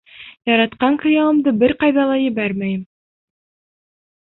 Яратҡан кейәүемде бер ҡайҙа ла ебәрмәйем!